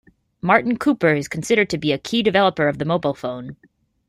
Martin Cooper is considered to be a key developer of the mobile phone.